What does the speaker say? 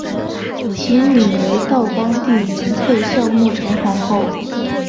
其女为道光帝元配孝穆成皇后。